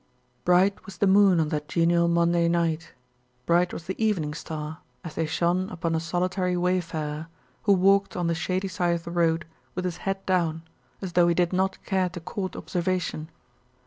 Bright was the moon on that genial Monday night, bright was the evening star, as they shone upon a solitary wayfarer who walked on the shady side of the road with his head down, as though he did not care to court observation.